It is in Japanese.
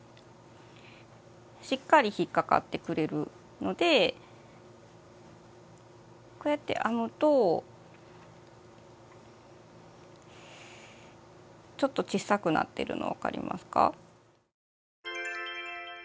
しっかり引っ掛かってくれるのでこうやって編むとちょっと小さくなってるの分かりますか？